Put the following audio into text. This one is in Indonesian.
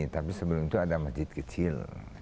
tapi sebelum itu ada masjid kecil